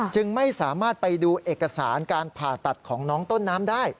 จึงไม่สามารถไปดูเอกสารการผ่าตัดของน้องต้นน้ำได้